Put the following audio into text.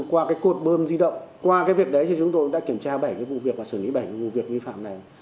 qua cái cột bơm di động qua cái việc đấy thì chúng tôi đã kiểm tra bảy cái vụ việc và xử lý bảy vụ việc vi phạm này